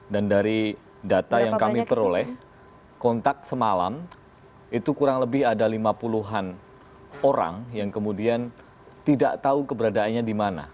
dan dari data yang kami peroleh kontak semalam itu kurang lebih ada lima puluhan orang yang kemudian tidak tahu keberadaannya di mana